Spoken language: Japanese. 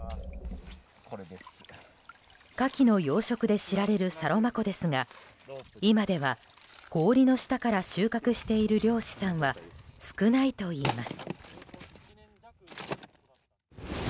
カキの養殖で知られるサロマ湖ですが今では氷の下から収穫している漁師さんは少ないといいます。